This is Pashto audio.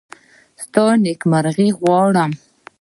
زه ستا نېکمرغي غواړم.